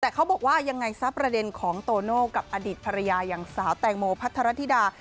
แต่เขาบอกว่ายังไงซะประเด็นของโตโน่กับอดีตภรรยาอย่างสาวแตงโมพัทรธิดา